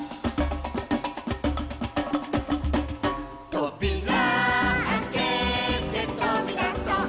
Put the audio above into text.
「とびらあけてとびだそう」